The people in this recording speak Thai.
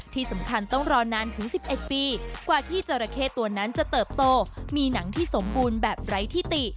ที่สำคัญต้องรอนานถึง๑๑ปีกว่าที่จราเข้ตัวนั้นจะเติบโตมีหนังที่สมบูรณ์แบบไร้ที่ติ